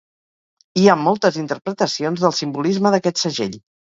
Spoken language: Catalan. Hi ha moltes interpretacions del simbolisme d'aquest segell.